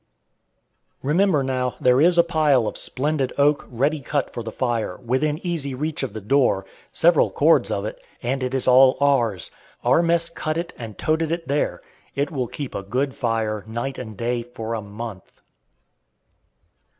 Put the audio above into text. Remember, now, there is a pile of splendid oak, ready cut for the fire, within easy reach of the door several cords of it and it is all ours. Our mess cut it and "toted" it there. It will keep a good fire, night and day, for a month.